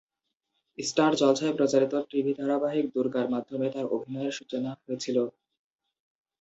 Star জলসায় প্রচারিত TV ধারাবাহিক দুর্গার মাধ্যমে তার অভিনয়ের সূচনা হয়েছিল।